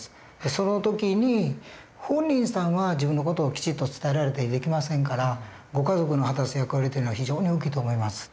その時に本人さんは自分の事をきちっと伝えられたりできませんからご家族の果たす役割というのは非常に大きいと思います。